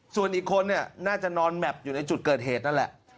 ส่วนอีกคนเนี่ยน่าจะนอนแมพอยู่ในจุดเกิดเหตุนั่นแหละ